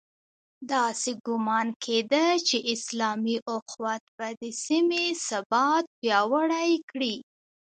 داسې ګومان کېده چې اسلامي اُخوت به د سیمې ثبات پیاوړی کړي.